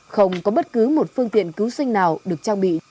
không có bất cứ một phương tiện cứu sinh nào được trang bị